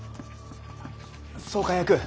総監役！